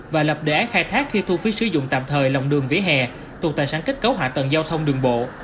và lập đề án khai thác khi thu phí sử dụng tạm thời lòng đường vỉa hè thuộc tài sản kết cấu hạ tầng giao thông đường bộ